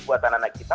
buatan anak kita